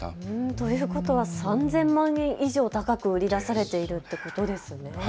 ということは３０００万円以上高く売り出されているということですよね。